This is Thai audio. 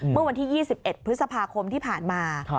เมื่อวันที่๒๑พฤษภาคมที่ผ่านมา